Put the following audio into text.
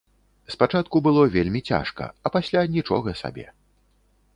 Спачатку было вельмі цяжка, а пасля нічога сабе.